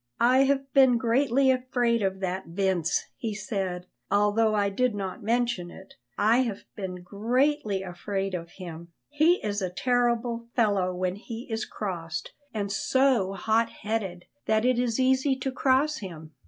"I have been greatly afraid of that Vince," he said. "Although I did not mention it, I have been greatly afraid of him; he is a terrible fellow when he is crossed, and so hot headed that it is easy to cross him.